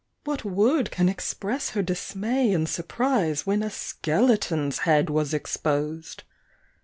What word can express her dismay and surprise, When a skeleton's head was exposed.